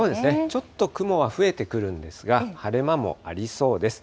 ちょっと雲は増えてくるんですが、晴れ間もありそうです。